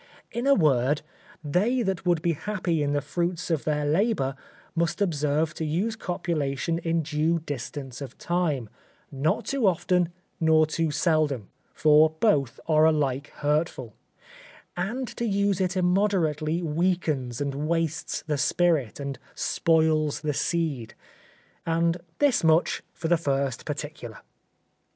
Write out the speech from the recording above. In a word, they that would be happy in the fruits of their labour, must observe to use copulation in due distance of time, not too often nor too seldom, for both are alike hurtful; and to use it immoderately weakens and wastes the spirits and spoils the seed. And this much for the first particular.